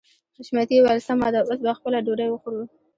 حشمتي وويل سمه ده اوس به خپله ډوډۍ وخورو.